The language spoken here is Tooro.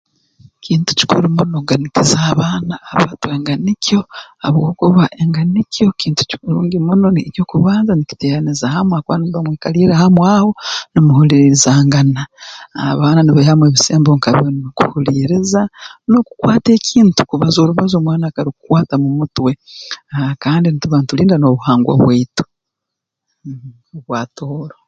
Kintu kikuru muno kuganikiza abaana abato enganikyo habwokuba enganikyo kintu kirungi muno eky'okubanza nikiteeraniza hamu habwokuba nimuba mwikaliire hamu aho numuhuliirizangana abaana nibaihamu ebisembo nka binu kuhuliiriza n'okukwata ekintu kubaza orubazo omwana akarukwata mu mutwe kandi ntuba ntulinda n'obuhangwa bwaitu mh obwa Tooro